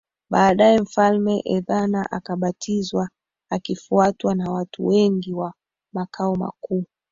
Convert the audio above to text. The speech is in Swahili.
Baadaye mfalme Ezana akabatizwa akifuatwa na watu wengi wa makao makuu